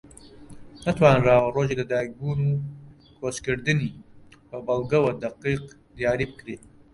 نەتوانراوە ڕۆژی لە دایک بوون و کۆچکردنی بە بەڵگەوە دەقیق دیاری بکرێت